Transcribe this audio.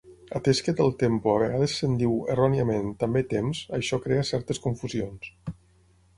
Atès que del tempo a vegades se'n diu, erròniament, també, 'temps', això crea certes confusions.